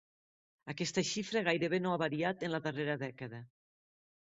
Aquesta xifra gairebé no ha variat en la darrera dècada.